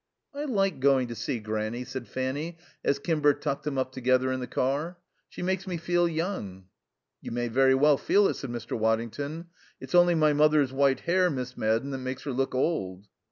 "I like going to see Granny," said Fanny as Kimber tucked them up together in the car. "She makes me feel young." "You may very well feel it," said Mr. Waddington. "It's only my mother's white hair, Miss Madden, that makes her look old."